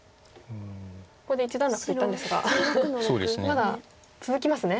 ここで一段落と言ったんですがまだ続きますね。